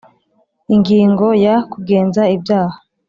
Ingingo ya Kugenza ibyaha